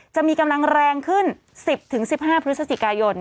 จะมีกำลังแรงขึ้น๑๐๑๕พฤศจิกายน